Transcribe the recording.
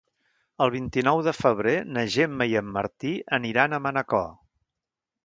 El vint-i-nou de febrer na Gemma i en Martí aniran a Manacor.